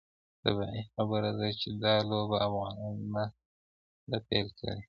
طبیعي خبره ده چې دا لوبه افغانانو نه ده پیل کړې.